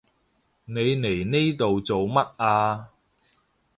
你嚟呢度做乜啊？